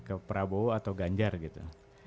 ke prabowo atau ganjar gitu